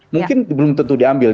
mungkin belum tentu diambil